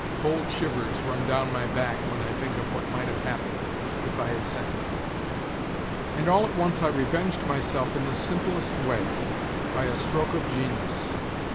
Cold shivers run down my back when I think of what might have happened if I had sent it. And all at once I revenged myself in the simplest way, by a stroke of genius